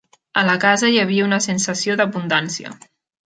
A la casa hi havia una sensació d'abundància.